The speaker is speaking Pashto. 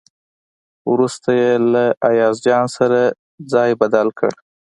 وروسته یې له ایاز جان سره ځای بدل کړ.